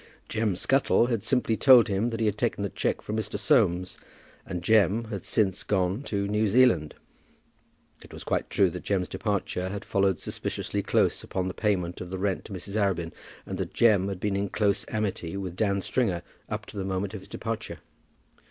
Jem Scuttle had simply told him that he had taken the cheque from Mr. Soames, and Jem had since gone to New Zealand. It was quite true that Jem's departure had followed suspiciously close upon the payment of the rent to Mrs. Arabin, and that Jem had been in close amity with Dan Stringer up to the moment of his departure.